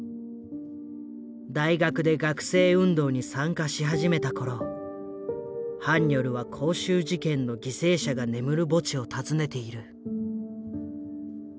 大学で学生運動に参加し始めた頃ハンニョルは光州事件の犠牲者が眠る墓地を訪ねている。